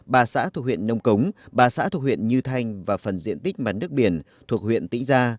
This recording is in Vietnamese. bà xã thuộc huyện nông cống bà xã thuộc huyện như thanh và phần diện tích mắn đức biển thuộc huyện tĩnh gia